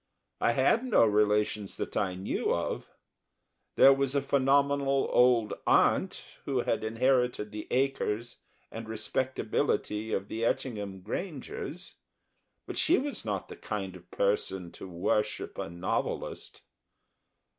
I had no relations that I knew of; there was a phenomenal old aunt who had inherited the acres and respectability of the Etchingham Grangers, but she was not the kind of person to worship a novelist.